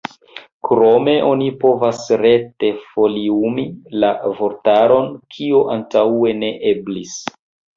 Krome oni povas rete foliumi la vortaron, kio antaŭe ne eblis.